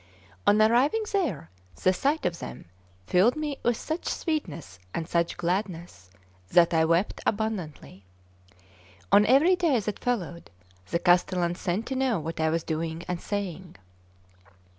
On arriving there, the sight of them filled me with such sweetness and such gladness that I wept abundantly. On every day that followed, the castellan sent to know what I was doing and saying.